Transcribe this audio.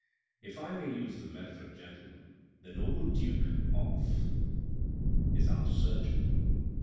If I may use the metaphor, gentlemen, the noble duke of is our surgeon."